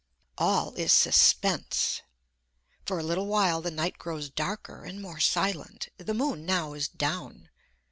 All is suspense. For a little while the night grows darker and more silent; the moon now is down.